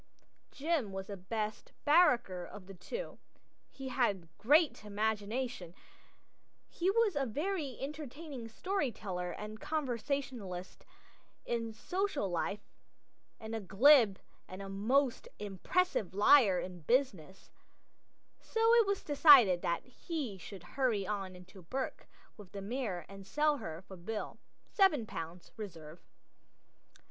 Jim was the best "barracker" of the two; he had great imagination; he was a very entertaining story teller and conversationalist in social life, and a glib and a most impressive liar in business, so it was decided that he should hurry on into Bourke with the mare and sell her for Bill. Seven pounds, reserve.